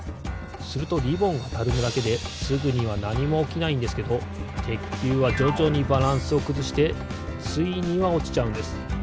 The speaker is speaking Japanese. するとリボンがたるむだけですぐにはなにもおきないんですけどてっきゅうはじょじょにバランスをくずしてついにはおちちゃうんです。